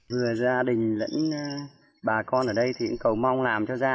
vừa gia đình vẫn bà con ở đây thì cũng cầu mong làm cho ra